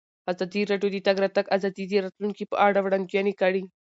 ازادي راډیو د د تګ راتګ ازادي د راتلونکې په اړه وړاندوینې کړې.